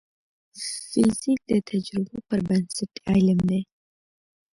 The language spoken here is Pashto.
فزیک د تجربو پر بنسټ علم دی.